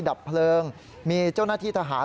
ดับเพลิงมีเจ้าหน้าที่ทหาร